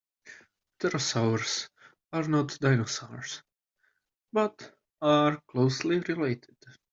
Pterosaurs are not dinosaurs but are closely related.